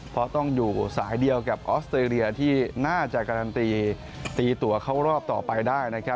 เพราะต้องอยู่สายเดียวกับออสเตรเลียที่น่าจะการันตีตีตัวเข้ารอบต่อไปได้นะครับ